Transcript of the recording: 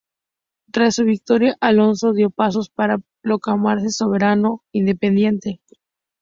Tras su victoria Alfonso dio pasos para proclamarse soberano independiente.